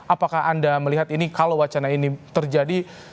apakah anda melihat ini kalau wacana ini terjadi